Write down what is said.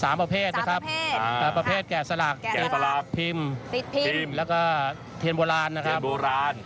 แต่๓ประเภทนะครับประเภทแก่สลักพิมพ์แล้วก็เทียนโบราณนะครับ